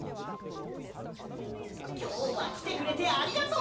きょうはきてくれてありがとう！